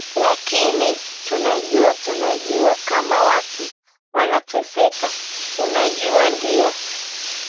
lakini tunajua tunajua kama watu wanateseka tunajua ndio